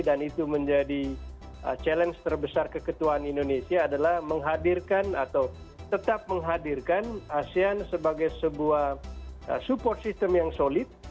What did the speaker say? dan itu menjadi challenge terbesar keketuaan indonesia adalah menghadirkan atau tetap menghadirkan asean sebagai sebuah support system yang solid